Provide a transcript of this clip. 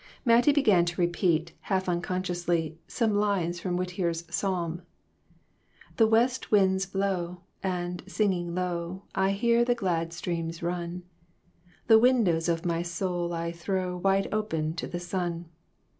Mattie began to repeat, half unconsciously, some lines from Whittier's Psalm " The West winds blow, and, singing low, I hear the glad streams run ; The windows of my soul I throw Wide open to the sun.